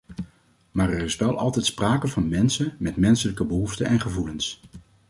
Maar er is wel altijd sprake van mensen, met menselijke behoeften en gevoelens.